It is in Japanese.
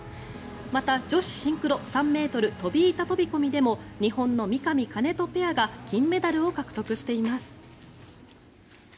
また、女子シンクロ３ｍ飛板飛込でも日本の三上・金戸ペアが銀メダルを獲得しています。